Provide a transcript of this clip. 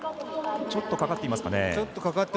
ちょっとかかっていますかね。